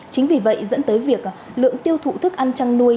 chính vì vậy dẫn tới việc lượng tiêu thụ thức ăn chăn nuôi